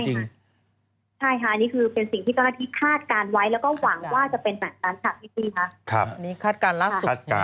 ใช่ค่ะนี่คือเป็นสิ่งที่ก็คาดการณ์ไว้แล้วก็หวังว่าจะเป็นสันตรัสจากนี้ค่ะ